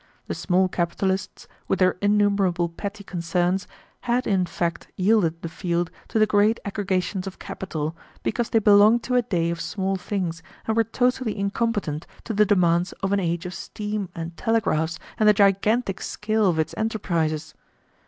The small capitalists, with their innumerable petty concerns, had in fact yielded the field to the great aggregations of capital, because they belonged to a day of small things and were totally incompetent to the demands of an age of steam and telegraphs and the gigantic scale of its enterprises.